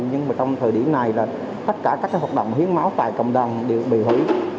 nhưng mà trong thời điểm này là tất cả các hoạt động hiến máu tại cộng đồng đều bị hủy